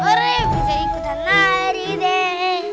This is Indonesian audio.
sore bisa ikutan lari deh